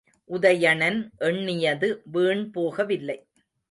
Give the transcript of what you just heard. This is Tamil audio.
உதயணன் எண்ணியது வீண்போகவில்லை.